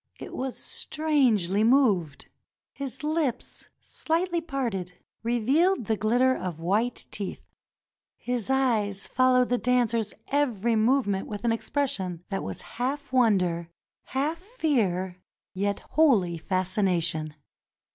It was strangely moved. His lips, shghtly parted, revealed the glitter of white teeth. His eyes followed the dancer's every movement with an expression that was half wonder, half fear, yet wholly fascination.